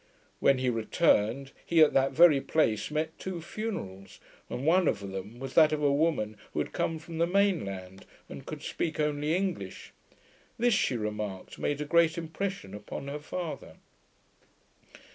When he returned, he at that very place met two funerals, and one of them was that of a woman who had come from the main land, and could speak only English. This, she remarked, made a great impression upon her father.